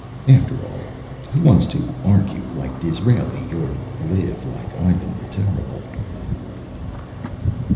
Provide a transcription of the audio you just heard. After all, who wants to argue like Disraeli or live like Ivan the Terrible?